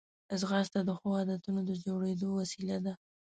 ځغاسته د ښو عادتونو د جوړېدو وسیله ده